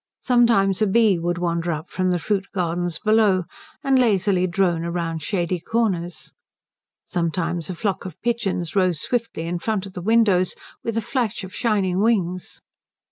Sometimes a bee would wander up from the fruit gardens below, and lazily drone round shady corners. Sometimes a flock of pigeons rose swiftly in front of the windows, with a flash of shining wings.